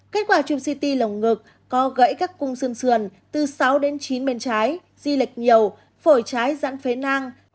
kết quả chụp ct lồng ngực có gãy các cung xương sườn từ sáu đến chín bên trái di lệch nhiều phổi trái dẫn phế nang